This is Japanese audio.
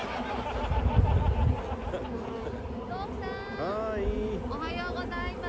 はーい。おはようございます！